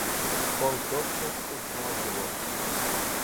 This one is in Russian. Он тотчас узнал его.